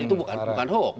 itu bukan hoax